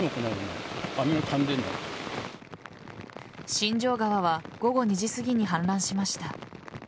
新城川は午後２時すぎに氾濫しました。